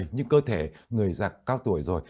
nhưng cơ thể người già cao tuổi rồi